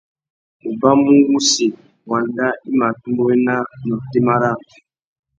Ubamú wussi, wanda i mà atumbéwena na otémá râā.